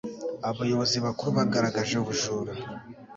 abayobozi bakuru bagaragaje ubujura